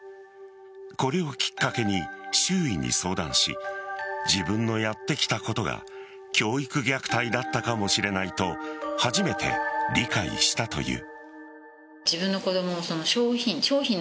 これをきっかけに周囲に相談し自分のやってきたことが教育虐待だったかもしれないと初めて理解したという。